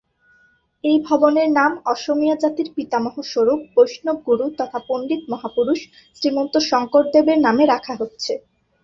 এই ভবনের নাম অসমীয়া জাতির পিতামহ স্বরূপ, বৈষ্ণব গুরু তথা পণ্ডিত মহাপুরুষ শ্রীমন্ত শংকরদেব-এর নামে রাখা হচ্ছে।